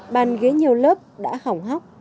bàn ghế nhiều lớp đã hỏng hóc